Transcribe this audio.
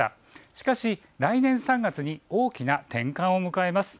しかし来年３月に大きな転換を迎えます。